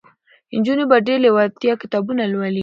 نجونې په ډېره لېوالتیا کتابونه لولي.